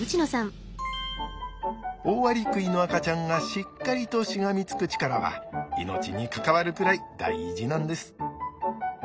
オオアリクイの赤ちゃんがしっかりとしがみつく力は命に関わるくらい大事なんです。